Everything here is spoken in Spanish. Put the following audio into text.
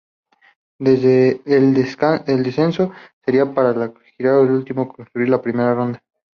El descenso sería para el que quedara último al concluir la primera ronda.